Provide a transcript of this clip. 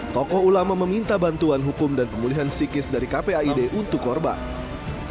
tokoh ulama meminta bantuan hukum dan pemulihan psikis dari kpaid untuk korban